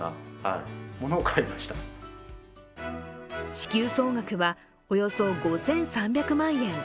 支給総額はおよそ５３００万円。